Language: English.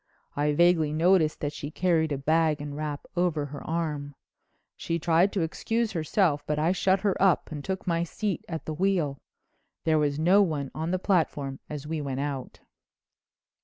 I vaguely noticed that she carried a bag and wrap over her arm. She tried to excuse herself but I shut her up and took my seat at the wheel. There was no one on the platform as we went out.